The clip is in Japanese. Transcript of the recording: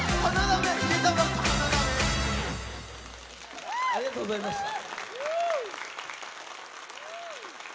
ダメありがとうございました